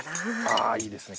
ああいいですね